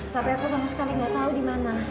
tapi aku sama sekali nggak tahu di mana